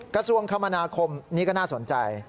กระทรวงคมนาคมนี่ก็น่าสนใจ